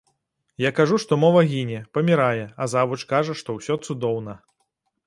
Я кажу, што мова гіне, памірае, а завуч кажа, што ўсё цудоўна.